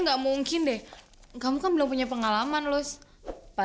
sampai jumpa di video selanjutnya